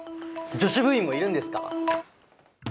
女子部員もいるんですか？